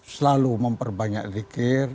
selalu memperbanyak zikir